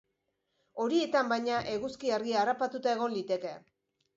Horietan, baina, eguzki argia harrapatuta egon liteke.